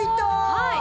はい。